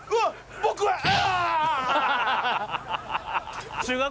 僕はあ。